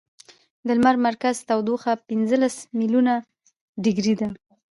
د لمر مرکز تودوخه پنځلس ملیونه ډګري ده.